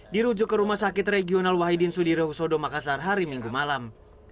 dirujuk ke rumah sakit regional wahidin sudirohusodo makassar hari minggu malam